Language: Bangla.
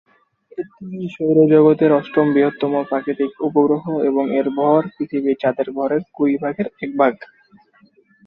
এটি সৌরজগৎের অষ্টম বৃহত্তম প্রাকৃতিক উপগ্রহ এবং এর ভর পৃথিবীর চাঁদের ভরের কুড়ি ভাগের এক ভাগ।